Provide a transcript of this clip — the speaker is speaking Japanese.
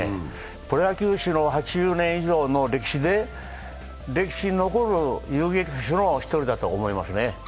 プロ野球史の８０年以上の歴史で歴史に残る遊撃手の一人だと思いますね。